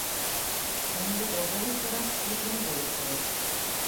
Һөңгө берҙе үлтерер, һүҙ менде үлтерер.